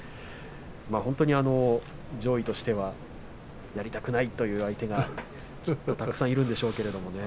本当に上位としてはやりたくないという相手はたくさんいるんでしょうけどね。